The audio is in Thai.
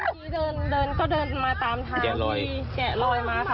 ที่เดินเดินก็เดินมาตามทางที่แกะลอยมาค่ะ